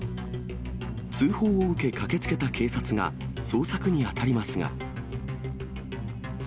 通報を受け、駆けつけた警察が捜索に当たりますが。